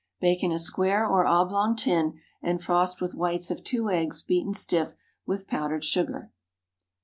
Bake in a square or oblong tin, and frost with whites of two eggs beaten stiff with powdered sugar.